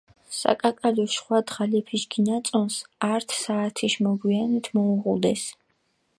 საკაკალო, შხვა დღალეფიშ გინაწონს, ართ საათიშ მოგვიანეთ მოუღუდეს.